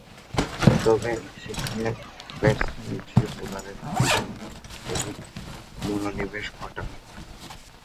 তবে, সেখানে ব্যাটসম্যানের চেয়ে বোলারের দিকেই অধিক মনোনিবেশ ঘটান।